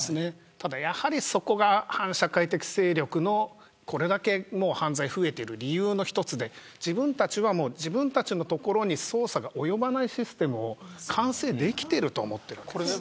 ただ、やはりそこが反社会的勢力のこれだけ犯罪が増えている理由の一つで自分たちのところに捜査が及ばないシステムを完成できていると思ってるんです。